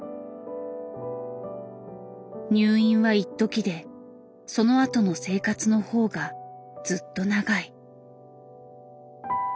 入院はいっときでそのあとの生活の方がずっと長い。